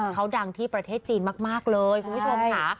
เขาดังที่ประเทศจีนมากเลยคุณผู้ชมค่ะ